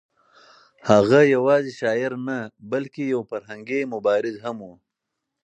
هغه یوازې شاعر نه بلکې یو فرهنګي مبارز هم و.